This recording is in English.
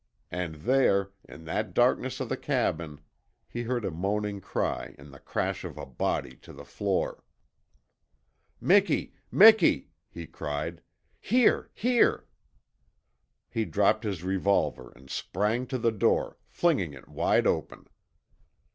And there in that darkness of the cabin He heard a moaning cry and the crash of a body to the floor. "Miki, Miki," he cried. "Here! Here!" He dropped his revolver and sprang to the door, flinging it wide open.